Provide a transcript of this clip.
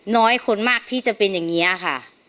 น้อยคนมากที่จะเป็นอย่างนี้ค่ะ